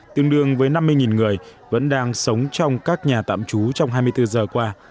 tương đương với năm mươi người vẫn đang sống trong các nhà tạm trú trong hai mươi bốn giờ qua